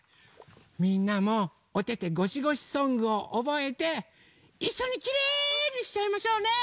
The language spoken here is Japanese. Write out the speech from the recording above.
みんなもおててごしごしソングをおぼえていっしょにきれいにしちゃいましょうね！